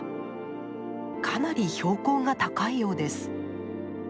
かなり標高が高いようです。